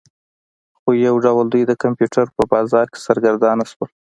خو یو ډول دوی د کمپیوټر په بازار کې سرګردانه شول